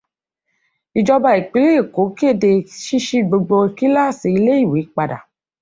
Ìjọba ìpínlẹ̀ Èkó kéde ṣíṣí gbogbo kíláàsì iléèwé padà.